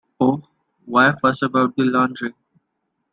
Oh, why fuss about the laundry?